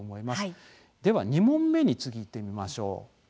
では２問目に次いってみましょう。